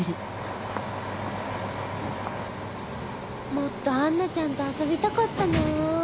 もっと杏奈ちゃんと遊びたかったなぁ。